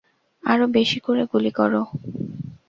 আরো বেশি করে গুলি কর!